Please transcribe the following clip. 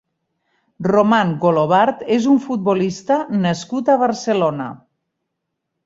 Román Golobart és un futbolista nascut a Barcelona.